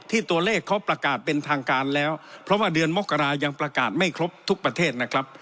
ตัวเลขเขาประกาศเป็นทางการแล้วเพราะว่าเดือนมกรายังประกาศไม่ครบทุกประเทศนะครับ